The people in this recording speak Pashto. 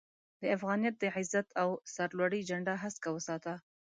د افغانيت د عزت او سر لوړۍ جنډه هسکه وساته